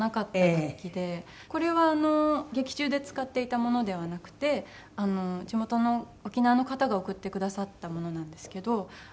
これは劇中で使っていたものではなくて地元の沖縄の方が贈ってくださったものなんですけど。